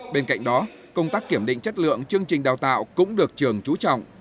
bên cạnh đó công tác kiểm định chất lượng chương trình đào tạo cũng được trường trú trọng